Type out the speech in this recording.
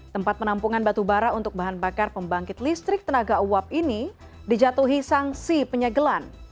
tempat penampungan batubara untuk bahan bakar pembangkit listrik tenaga uap ini dijatuhi sanksi penyegelan